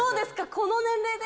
この年齢で。